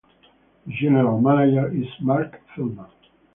The general manager is Marc Feldman.